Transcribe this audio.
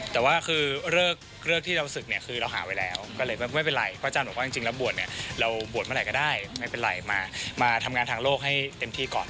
แต่ว่าคือเลิกที่เราศึกเนี่ยคือเราหาไว้แล้วก็เลยไม่เป็นไรเพราะอาจารย์บอกว่าจริงแล้วบวชเนี่ยเราบวชเมื่อไหร่ก็ได้ไม่เป็นไรมาทำงานทางโลกให้เต็มที่ก่อน